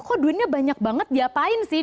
kok duitnya banyak banget diapain sih